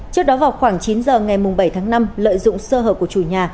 trước đó vào khoảng chín h ngày bảy tháng năm lợi dụng sơ hở của chùi nhà